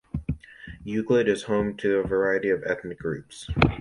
Euclid is home to a variety of ethnic groups.